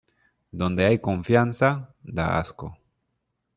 Donde hay confianza, da asco.